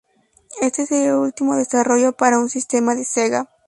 Este sería el último desarrollo para un sistema de Sega.